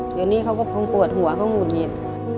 ตอนนี้เขาก็พร้อมปวดหัวเขาหงุดหยิด